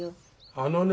あのね。